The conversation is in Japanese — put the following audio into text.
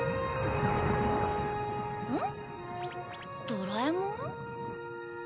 ドラえもん？